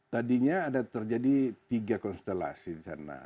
tadinya ada terjadi tiga konstelasi di sana